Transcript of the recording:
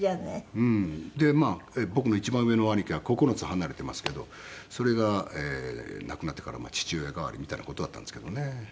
でまあ僕の一番上の兄貴は９つ離れていますけどそれが亡くなってから父親代わりみたいな事だったんですけどね。